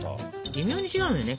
微妙に違うのよね。